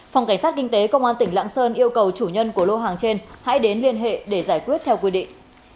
phòng cảnh sát kinh tế công an tỉnh lạng sơn yêu cầu chủ nhân của lô hàng trên hãy đến liên hệ để giải quyết theo quy định